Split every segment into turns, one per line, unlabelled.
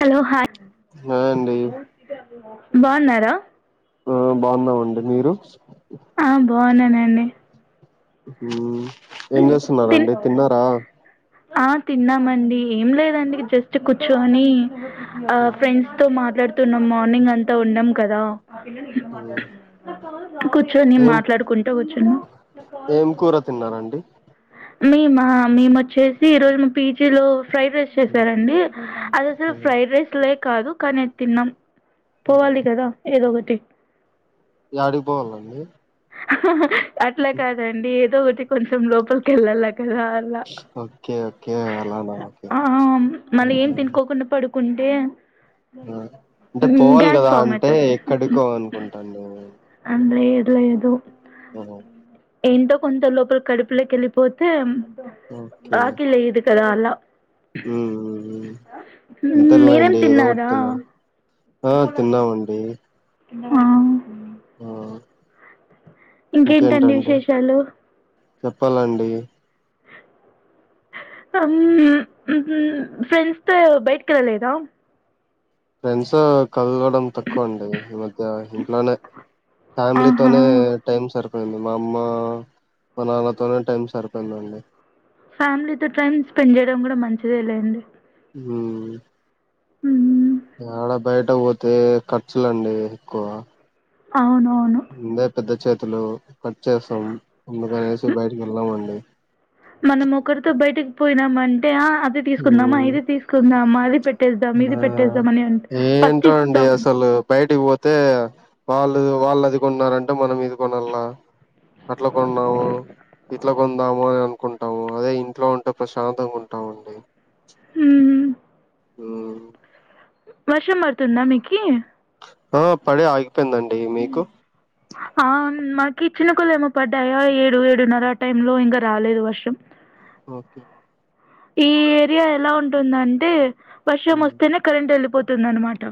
Hello hi
hi అండి
బావున్నారా
ఆ బాగున్నామండి మీరు
ఆ బాగున్నానండి
హ్మ్మ్ ఏం
తిన్
చేస్తున్నారండి తిన్నారా
ఆ తిన్నామండి ఏం లేదండి జస్ట్ కూర్చుని ఆ ఫ్రెండ్స్ తో మాత్ర డుతున్నాం మార్నింగ్ అంతా ఉండం కదా కూర్చోని
ఏం
మాట్లాడుకుంటు కూర్చున్నం
ఏం కూర తిన్నారండి
మేమా మేము వచ్చేసి ఈ రోజు మా పీజీలో ఫ్రైడ్ రైస్ చేశారండి అది అసలు ఫ్రైడ్ రైస్ లైక్ కాదు కాని అది తిన్నం పోవాలి కదా ఏదోకటి హ
యాడికి పోవాలనండి
హ హ అట్లా కాదండి ఏదో ఒకటి కొంచెం లోపల ఎల్లాల అలా అలా
ఓకే ఓకే అలానా ఓకే
హ మళ్లీ ఏం తినుకోకుండా పడు కుంటే
అంటే పోవాలి కదా
ఫామ్
అంటే
అయితది
ఎక్కడికో అనుకుంటాం నేను
లేదులే ప్పు
ఆ
ఏంటో కొంత లోపల కడుపులోకి వెళ్ళిపోతే
ఓకే
కద అలా
మ్మ్
మేరం
అంతేలేండి ఏదో ఒకటి
తిన్నారా
తిన్నాను ఆ తిన్నామండి
ఆ
ఆ
ఇంకేంటండి విశేషాలు
చెప్పాలండి
ఫ్రెండ్స్ తో బయటికి వెళ్లలేదా
పె చదవడం తక్కువ అండి ఈ మధ్య ఇంట్లోనే
ఆహా
ఫ్యామిలీతోోనే టైమ్ సరి సపోయింది మా అమ్మ మా నాన్నతోనే టైం సరిపోయిందండి
ఫ్యామిలీతోో టైమ్ స్పెండ్ చేయడం కూడా మంచిదే లెండి
ఊ ఆడ బయట పోతే ఖర్చులండి ఎక్కువ
అవును
ముందే పెద్ద చేతులు కట్ చేసాం ముందుకనేసి బయటికి వెళ్ళామండి
మనం ఒకరితో బయటికి పోయినాం అంటే అది తీసుకుందామా
హ్మ్.
ఇది తీసుకుందామా నదిపెటి
ఆ ఏంటో అండి
ఇస్తాం
అసలు బయటికి పో అయితే వాళ్ళు వాళ్ళు అది కొ ఉన్నారంటే మనం ఇది న అట్లా కొంన్నావు ఇట్లా కొందాము అని అనుకుంటాము అదే ఇంట్లో ఉంటే ప్రశాంతంగా ఉంటాము అండి
ఊ
హ్మ్.
వర్షం పడుతుంద మీకీ
ఆ పడే ఆ
అ మ కిచ్చెన్ కులు ఏమో పడ్డాయా ఏడు ఏడున్నర ఆ టై లో ఇంకా రాలేదు వర్షం
ఓకే
ఈ ఏరియా ఎలా ఉంటుందంటే వర్షం
ఉమ్
వస్తేనే కరెంట్ వెళ్ిపోతుంది వస్తుందన్నమాట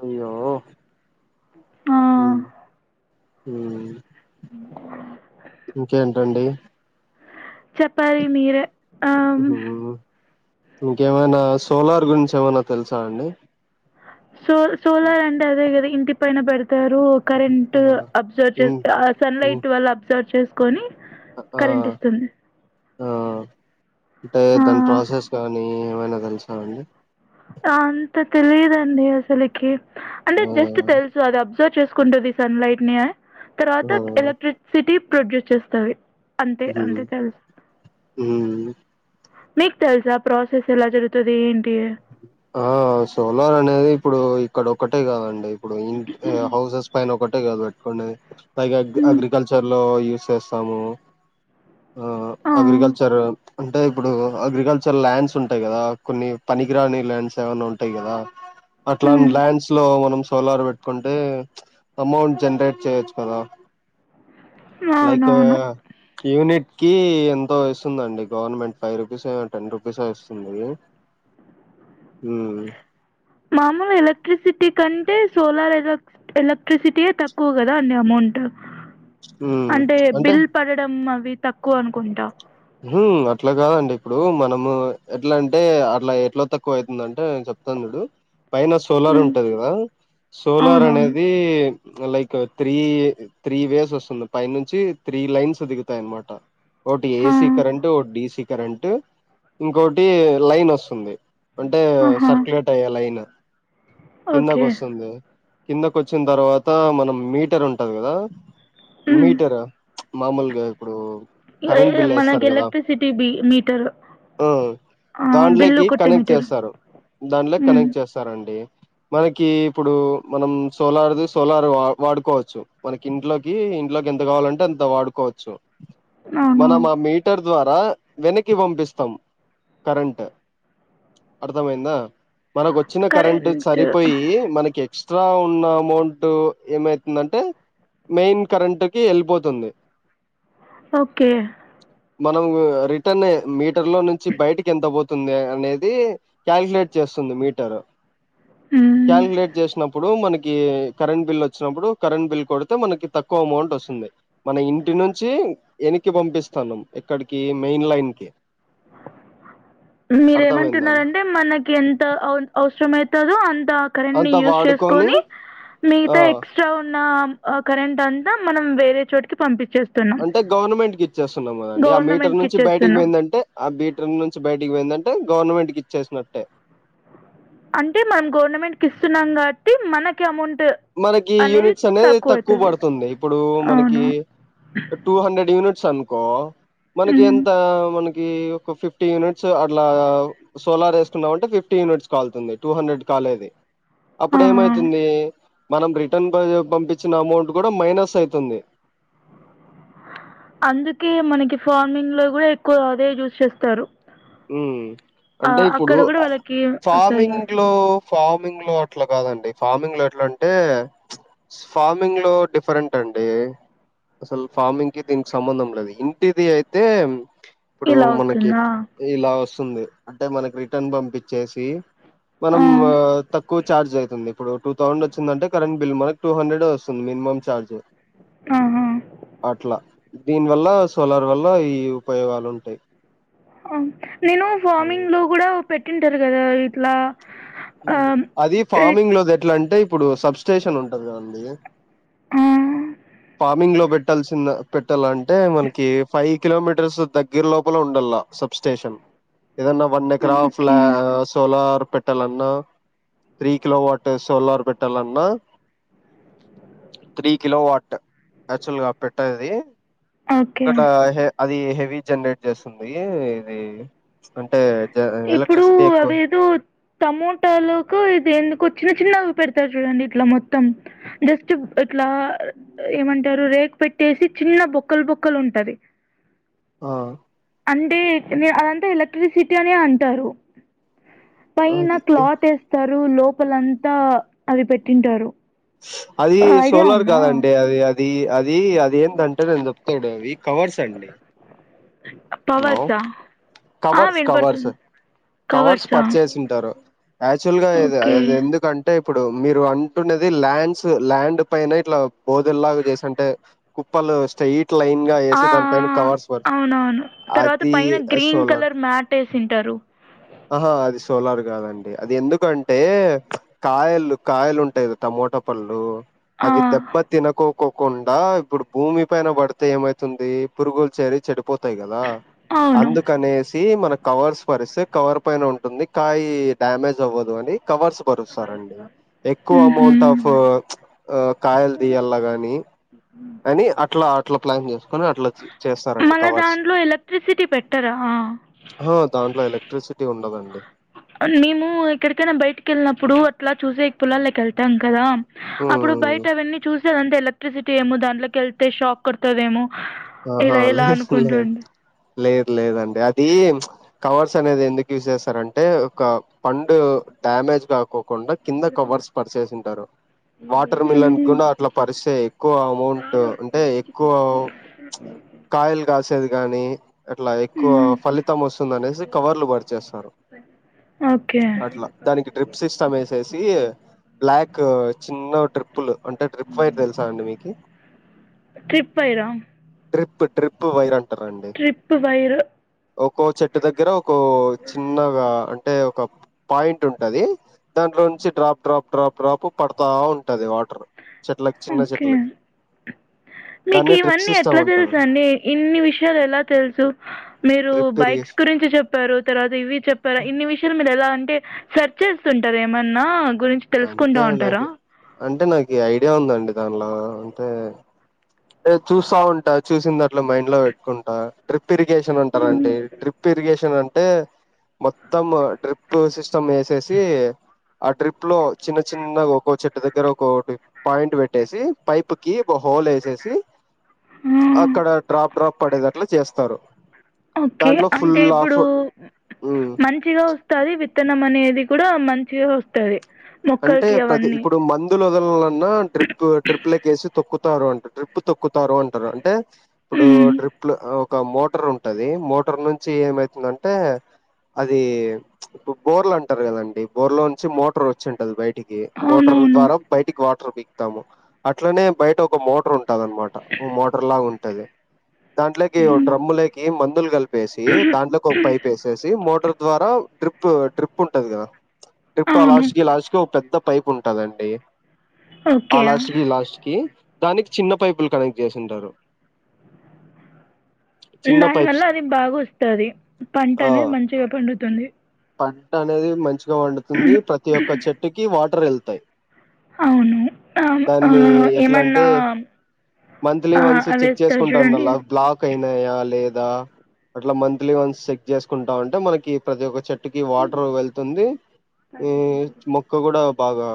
అయ్యో
ఆ
హు హ ఇంకేంటండి
చెప్పాలి మీరే ఆ
ఉమ్ ఇంకేమైనా సోలార్ గురించి ఏమైనా తెలుసాండి
సోల్ సోలార్ అంటే అదే కదా ఇంటీ పైన పేరు స్తారు కరెంట్
ఆ
అబ్జర్వ్ చే
ఇన్ ఇన్
సన్లైట్ వల్ల అబ్జర్వ్ చే కొని కరెంట్ ఇస్తుంది
హ అంటే
ఆ
దాని ప్రాసెస్ కానీ ఏమైనా తెలుసా అండీ
ఆ అంత తెలిదండి అసలికి అంటే
ఆ
జస్ట్ తెలుసు అది అబ్సర్వ్ చేసుక్ కుంటుది సన్ లైట్ న్యా తర్వాత
ఆ
ఎలక్ట్రిక్ సిటీ ప్రొడ్యూస్ చేస్తావి
హు హు
మీకు తెలుసా ప్రాసెస్ ఎలా జరుగుతది ఏంటి
ఆ సోలార్ అనేది ఇప్పుడు ఇక్కడ ఒక్కటే కాదండి ఇప్పుడు ఇ హౌసెస్ పైన ఒకటే కాదు పెట్టుకోండి పైగ
హ్మ్.
అగ్రికల్చర్ ఈ చేేస్తాము
ఆ!
అగ్రికల్చర్ అంటే ఇప్పుడు అగ్రికల్చర్ ల్యాండ్స్ ఉంటాయి కదా కొన్ని పనికినికిరాని ల్యాండ్స్ ఏవైనా ఉంటేగిన అట్లాంటి
హ్మ్.
ల్యాండ్స్ లో మన్స్ సోలార్ పెట్టుకుంటే ఎమౌంట్ జనరేట్ చేయచ్చు కదా లైక్
అవునవును
యూనిట్ కి ఎంతో ఇస్తుందండి గవర్నమెంట్ ఫైవ్ రూపీస్ అయినా రూపీస్ టెన్ రూపీస్ అయినా ఇస్తుంది హు
మామూలు ఎలక్ట్రిసిటీ కంటే సోలార్ ఎలక్ ఎలక్ట్రిసిటీయే తక్కువ కదా అని అమౌంట్
ఉమ్
అంటే బిల్ పడడం అవి తక్కువ అనుకుంటా
ఉహూ అట్లా కాదండి ఇప్పుడు మనము ఎట్లా అంటే అట్లా ఎట్లా తక్కువ అవుతుందంటే చెప్తాను చుడు పైన సోలార్
మ్మ్
ఉంటది కదా సోలార్
అవునవును
అనేది లైక్ త్రీ త్రీ వేస్ వస్తుంది పై నుంచి త్రీ లైన్స్ దిగుతాయినమాట ఓటి
హా
ఏసీ ఇంకో డసీ కరెంట్ ఇంకోొటి లైన్ వస్తుంది అంటే
ఆహా
సర్కు్యులేట్ అయ్యా లైన్ కిందక
ఓకే
వస్తుంది కిందక వచ్చిన తర్వాత మనం మీటర్ ఉంటది కదా
మ్మ్
మీటర్ మామూలుగా ఇప్పుడు
ఇవే మన
కడతారు కదా ఆ
ఆ బిల్లు
దాంట్లోకి
కొట్టే
కనెక్ట్
మీటర్
చేస్తారు దాంట్లోకి
మ్మ్
కనెక్ట్ చేస్తారంండి మనకి ఇప్పుడు మనం సోలార్ది సోలార్ వా వాడుకోవచ్చు మనకి ఇంట్లోకి ఇంట్లోకి ఎంత కావాలంటే అంత వాడుకోవచ్చు
అవును
మనం ఆ మీటర్ ద్వారా వెనక్కి పంపిస్తాం కరెంట్ అర్థమైందా మనకు వచ్చిన కరెంట్ సరిపోయి మనకి ఎక్స్ట్రా ఉన్న అమౌంట్ ఏమైతుందంటే మెయిన్ కరెంట్ కి వెళ్ళిపోతుంది
ఓకే
మనం రిటర్న్ మీటర్ లో నుంచి బయటకి ఎంత పోతుంది అనేది కల్కు్యలేట్ చేస్తుంది మీటరు
మ్మ్
కల్కు్యలేట్ చేసినప్పుడు మనకి కరెంట్ బిల్ వచ్చినప్పుడు కరెంట్ బిల్ కొడితే మనకి తక్కువ అమౌంట్ వస్తుంది మన ఇంటి నుంచి వెనక్ పంపిస్తాను ఇక్కడికి మెయిన్ లైన్ కి అర్థమైందా అండి
మీరేమంటున్నారంటే మనకి ఎంత అవసరమయితే అంత కరెంట్ ని
అంత
యూజ్
వాడుకొని
చేసుకొని
ఆ
మిగతా ఎక్స్ట్రా ఉన్న ఆ కరెంట్ అంతా మనం వేరే చోటికి పంపి
అంటే గవర్నమెంట్ కి ఇచ్చేస్తున్నాము కాదండీ ఆ మీటర్
గవర్నమెంట్కి
నుంచి బయటికి
ఇచ్చేస్తున్నాం
పోయిందంటే ఆ మీటర్ నుంచి బయటకి పోయిందంటే గవర్నమెంట్ కీ ఇచ్చేసినట్టే
అంటే మనం గవర్నమెంట్ కీ ఇస్తున్నాం కాబట్టి మనకి అమౌంట్
మనకి యూనిట్స్ అనేది తక్కువ పడుతుంది ఇప్పుడు మనకి
అవును
టూ హండ్రెడ్ యూనిట్ సనుకో మనకి
మ్మ్
ఎంత మనకి ఒక ఫిఫ్టీ యూనిట్స్ అట్లా సోలార్ వేసుకున్నామంటే ఫిఫ్టీ యూనిట్స్ కాలుతుంది టూ హన్ డ్రెడ్ కాలేది
ఆ
అప్పుడు ఏమైతుంది మనం రిటర్న్ పంపించిన అమౌంట్ కూడా మైనస్ ఐతుంది
అందుకే మనకి ఫార్మింగ్ లో కూడా ఎక్కువ అదే యూజ్ చేస్తారు
మ్
ఆ
అంటే ఇప్పుడు
అక్కడ కూడా వాళ్ళకి వస్తాయి
ఫార్మింగ్
కాబట్టి
లో ఫార్మింగ్ లో అట్లా కాదండి ఫార్మింగ్ లో ఎట్లా అంటే ఫార్మింగ్ లో డిఫరెంట్ అండి అసలు ఫార్మింగ్ కి దీనికి సంబంధం లేదు ఇంటిది అయితే ఇప్పుడు
ఇలా
మనకి
వస్తుందా
ఇలా వస్తుంది అంటే మనకి రిటర్న్ పంపించేసి
ఆ
మనం తక్కువ చార్జ్ ఐతుంది ఇప్పుడు టూ థౌజండ్ వచ్చిందంటే కరెంట్ బిల్ మనకి టూ హండ్రెడ్ వస్తుంది మినిమమ్ చార్జ్
ఆహా
అట్లా దీని వల్ల సోలార్ వల్ల ఈ ఉపయోగాలు ఉంటాయి
నేను
ఉమ్.
ఫార్మింగ్ లో కూడా పెట్టింటారు కదా ఇట్లా ఆ
అది
ఎయిట్
ఫార్మింగ్ లోది ఎట్లాంటే అంటే ఇప్పుడు సబ్ స్టేషన్ ఉంటది కదా అండి
ఆ
ఫార్మింగ్ లో పెట్టాల్సింద పెట్టాలంటే మనకి ఫైవ్ కిలోమీటర్స్ దగ్గర లోపల ఉండాల సబ్ స్టేషన్ ఏదన్న వన్ ఎకరా
ఓకే
ఫ్లా సోలార్ పెట్టాలన్నా త్రీ కిలో వాట్ సోలార్ పెట్టాలన్నా త్రీ కిలో వాట్ యాచ్ వల్ గా పెట్టేది
ఓకే
అక్కడ అది రీ జనరేట్ చేస్తుంది ఇది అంటే జ
ఇప్పుడు
ఎలక్ట్రిసిటీ ఎక్కువ
అదేదో టమోటలోకి ఇది ఎందుకు చిన్న చిన్న పెడతారు చూడండి ఇట్లా మొత్తం జస్ట్ ఇట్లా ఏమంటారు రేక్ పెట్టేసి చిన్న బొక్కలు బొక్కలు ఉంటది
ఆ
అంటే అదంతా ఎలక్ట్రిసిటీ అం అంటారు పైన
అది
క్లాత్ ఏస్తార్ రూమ్ లోపలంతా అది పెట్టింటారు
అది
ఐడియా
సోలార్
ఉందా
కాదండి అది అ అది అది అది ఏంటంటే నేను చెప్తా ఉండు అవి కవర్స్ అండి హలో
పవర్సా ఆ
కవర్స్ కవర్స్
వినపడుతుంది
కవర్స్
కవర్సా
పరిచేసింటారు యాచ్ వల్ గా
ఓకే
అది ఎందుకం అంటే ఇప్పుడు మీరు అంటున్నది ల్యాండ్స్ ల్యాండ్ పైన ఇట్లా బోదెల్లాగా చేసింటే కుప్పలు స్టయి
ఆ అవునవును తర్వాత
అది
పైన గ్రీన్
సోలార్
కలర్ మ్యాట్ చే సినటారు
ఆహా అది సోలార్ కాదండి అది ఎందుకంటే కాయలు కాయలు ఉంటాయి కదా టమోటా పళ్ళు
ఆ
అవి దెబ్బ తినకోక్ కోకుండా ఇప్పుడు భూమి పైన పడితే ఏమైతుంది పురుగులు చేరి చెడు పోతాయి కదా
అవును
అందుకనేసి మన కవర్స్ పరిస్క్ కవర్ పైన ఉంటుంది కాయ డ్యామేజ్ అవ్వదు అని కవర్స్ పరుస్తారంండి ఎక్కువ అమౌంట్ ఆఫ్ ఆ కాయలు తీయలా గాని అని అట్లా అట్లా ప్లాన్ చేసుకోని అట్లా చేస్తారండి
మళ్ళ
కవర్స్.
దాంట్లో ఎలక్ట్రిసిటీ పెట్టరా
అహా! దాంట్లో ఎలక్ట్రిసిటీ ఉండదండి
మేము ఎక్కడికైనా బయటికి వెళ్ళినప్పుడు అట్లా చూసే పోల్లల్లోకి వెళ్తాం కదా అప్పుడు బయట
హ్మ్.
అవన్నీ చూసి అంత ఎలక్ట్రిసిటీ ఏమో దాట్లో వెళ్తేషాక్ కొడుతుదేమో
ఆహా!
ఇలా ఇలా
లేదు లేదు.
అనుకుంటుడి
లేదు లేదండి అది కవర్స్ అనేది ఎందుకు యూజ్ చేస్తారంటే ఒక పండు డ్యామేజ్ కాకోకు డా కింద కవర్స్ పరిచేసింటారు వాటర్ మిల్న్
హ్మ్.
కూడా అట్లా పరిచే ఎక్కువ అమౌంట్ అంటే ఎక్కువ కాయలు కాసేది కానీ అట్లా ఎక్కువ
హ్మ్.
ఫలితం వస్తుంది అనేసి కవర్లు పరిచేస్తారు
ఓకే
అట్లా దానికి డ్రిప్ సిస్టమ్ వేసేసి బ్లాక్ చిన్న ట్రిప్పులు అంటే ట్రిప్ పైనైన తెలుసాండి మీకు
ట్రిప్ వైరా
ట్రిప్ ట్రిప్ వైరాం అంటారండి
ట్రిప్ వైర్
ఒో చెట్టు దగ్గర ఒక చిన్నగా అంట అంటే ఒక పాయింట్ ఉంటది దానిట్లో నుంచి డ్రాప్ డ్రాప్ డ్రాప్ డ్రాప్ పడతా ఉంట వాటర్ చెట్ల చిన్న
ఓకే
చెట్లకి దాన్ని
అన్నీ
సిస్టమ్
ఎట్లా తెలుసు
అంటారు
అండి ఇన్ని విషయాలు ఎలా తెలుసు మీరు
డ్రిప్
బైక్స్
ఇరిగేషన్
గురించి చెప్పారు తర్వాత ఇవి చెప్పారుా ఇన్ని విషయాలు మీరు ఎలా అంటే సెర్చ్ చేస్తుంటారు ఏమన్నా గురించి తెలుసుకుంటా
అంటే
ఉంటారా
నాకు అంటే నాకు ఐడియా ఉందండి దానిలో అంటే చూస్తా ఉంటా చూసి దాంట్లో మైండ్ లో పెట్టుకుంటా ట్రిప్ ఇరిగేషన్ ఉంటార
హ్మ్.
అంటడి డ్రిప్ ఇరిగేషన్ అంట అంటే మొత్తం డ్రిప్ సిస్ ం వేసేసి ఆ డ్రిప్ లో చిన్న చిన్న ఒక చెట్టు దగ్గర ఒక పాయింట్ పెట్టేసి పైప్ కి హోల్ వేసేసి కీ
ఆ.
అక్కడ డ్రాప్ డ్రాప్ పడేద అట్లా చేస్తారు
ఓకే
దాంట్లో ఫుల్
అంటే ఇప్పుడు
ఆఫ్ ఉమ్
మంచిగా వస్తంది విత్ త్తనం అనేది కూడా మంచిగా వస్తుంది
అంటే ప్రతి ఇప్పుడు మందులు నా ట్రిప్ ట్రిప్లేసి తక్కు తారు అంటారు ట్రిప్పు తొక్కుతారు అంటారు అంటే ఇప్పుడు
హ్మ్.
డ్రిప్లు ఒక మోటర్ ఉంటది మోటర్ నుంచి ఏమైతుందంటే అది బోర్లు అంటారు కదండి బోర్ లో నుంచి మోటర్ వ వచ్చంటల్ బయట మోటర్
అవునవును.
ద్వారా బయటికి వాటర్ బి ాము అట్లనే బయట ఒక మోటర్ ఉంటు ఉంటద అనమాట మోటర్ లాగా ఉంటది దాంట్లోకి
హ్మ్.
డ్రమ్ములకి మ [inaudible] వేసి దాంట్లోకి ఒక పైప్ వేసేసి మోటర్ ద్వారా ్రిప్ ట్రిప్ ట్రిప్ ఉంటది కదా ట్రిప్పాలా
అవును.
పెద్ద పైప్ ఉంటదండి
ఓకే.
ఆలాస్ట్కి లాస్ట్కి దానికి చిన్న పైపులు కనెక్ట్ చేసింటారు చిన్న
దాని వల్ల
పైప్స్
అది బాగా వస్తుది పంట
ఆ
అనేది మంచిగా పండుతుంది
పంట అనేది మంచి వండుతుంది ప్రతి ఒక్క చెట్టుకి వాటర్ వెళ్తుంది యి
అవును అ ఆ
ఎట్లా
ఏమన్నా
అంటే మంత్లీ
ఆ అది వేస్తారు చూడండి
ఐనాయ లేదా అట్ల మంతలీ ఒన్స్ చెక్ చేసుకుంటాంటే మనకి ప్రతి ఒక్క చె ఈ వాటర్ వెళ్తుంది ఉ మొక్క కూడా బాగా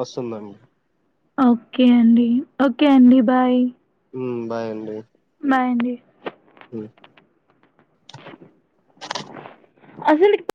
వస్తుందండి
ఓకే అండి ఓకే అండి బాయ్
హుమ్ బాయ్ అండి
మా యండి
హుమ్
అందరిడిక్